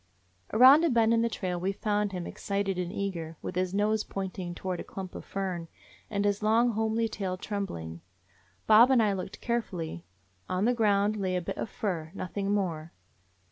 Around a bend in the trail we found him, ex cited and eager, with his nose pointing toward a clump of fern, and his long, homely tail trembling. Bob and I looked carefully. On the ground lay a bit of fur, nothing more.